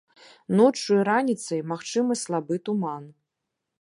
Ноччу і раніцай магчымы слабы туман.